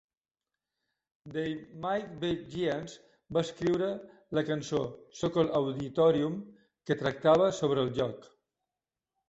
They Might Be Giants va escriure la cançó, "Sokol Auditorium", que tractava sobre el lloc.